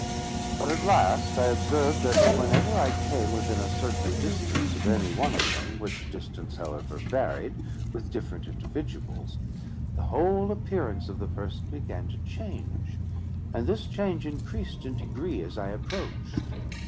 But at last I observed, that whenever I came within a certain distance of any one of them, which distance, however, varied with different individuals, the whole appearance of the person began to change; and this change increased in degree as I approached.